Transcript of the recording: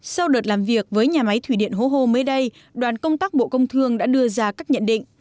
sau đợt làm việc với nhà máy thủy điện hố hô mới đây đoàn công tác bộ công thương đã đưa ra các nhận định